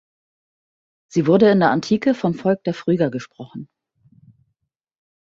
Sie wurde in der Antike vom Volk der Phryger gesprochen.